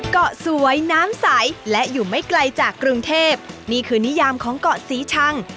เกาะสวยน้ำใสและอยู่ไม่ไกลจากกรุงเทพนี่คือนิยามของเกาะศรีชัง